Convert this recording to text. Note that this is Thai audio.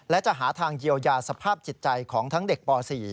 และจะหาทางเยียวยาสภาพจิตใจของทั้งเด็กป๔